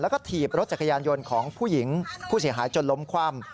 แล้วก็ถีบรถจักรยานยนต์ของผู้หญิงผู้เสียหายจนล้มคว่ำ